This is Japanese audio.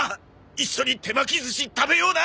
一緒に手巻き寿司食べような！